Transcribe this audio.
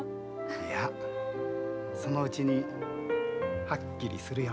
いやそのうちにはっきりするよ。